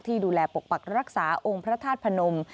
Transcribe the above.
ดูแลปกปักรักษาองค์พระธาตุพนม